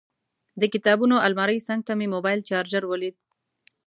د کتابونو المارۍ څنګ ته مې موبایل چارجر ولید.